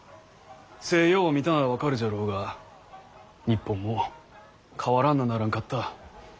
西洋を見たなら分かるじゃろうが日本も変わらんなならんかった。